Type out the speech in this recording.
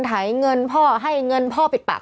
ถ้ายเงินเพราะให้เงินเพราะาจเป็ดปาก